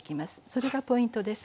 それがポイントです。